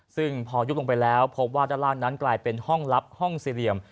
ซึ่งพอยุบลงไปแล้วพบว่าด้านล่างนั้นกลายเป็นห้องลับห้องสี่เหลี่ยม